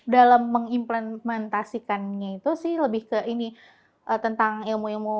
dalam mengimplementasikannya itu lebih ke tentang ilmu ilmu mendidikannya